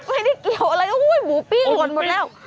ไม่ได้เกี่ยวอะไรหมูปิ้งหมดแล้ว